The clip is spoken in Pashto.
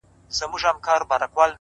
هره شېبه د بدلون فرصت لري،